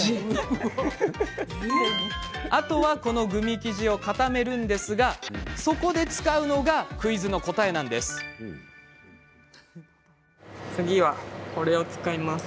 あとはこのグミ生地を固めるんですがそこで使うのがクイズの答えなんですよ。